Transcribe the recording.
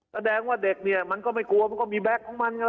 แสดงว่าเด็กเนี่ยมันก็ไม่กลัวมันก็มีแก๊กของมันไง